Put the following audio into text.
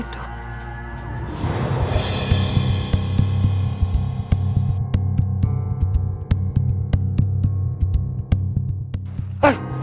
katanya di bawah